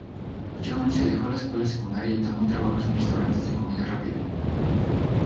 Jones se dejó la escuela secundaria y tomó trabajos en restaurantes de comida rápida.